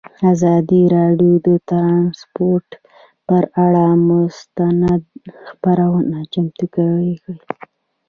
ازادي راډیو د ترانسپورټ پر اړه مستند خپرونه چمتو کړې.